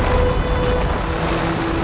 aku akan mencari angin bersamamu